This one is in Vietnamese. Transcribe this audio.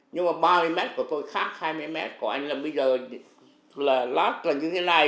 nhưng mà ba mươi mét của tôi khác hai mươi mét của anh là bây giờ là lát là như thế này